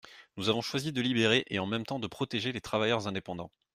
Nous avons choisi de libérer et en même temps de protéger les travailleurs indépendants.